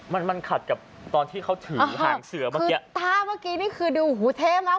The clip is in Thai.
มันมันขัดกับตอนที่เขาถือหางเสือเมื่อกี้ตาเมื่อกี้นี่คือดูหูเท่มาก